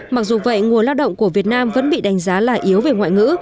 mặc dù vậy nguồn lao động của việt nam vẫn bị đánh giá là yếu về ngoại ngữ